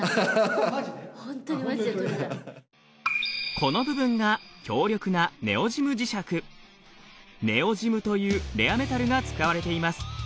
この部分が強力なネオジム磁石ネオジムというレアメタルが使われています。